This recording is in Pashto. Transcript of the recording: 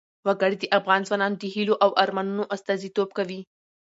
وګړي د افغان ځوانانو د هیلو او ارمانونو استازیتوب کوي.